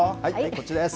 こっちです。